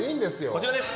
こちらです！